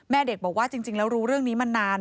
เด็กบอกว่าจริงแล้วรู้เรื่องนี้มานาน